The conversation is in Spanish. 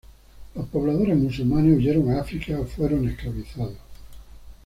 Los pobladores musulmanes huyeron a África o fueron esclavizados.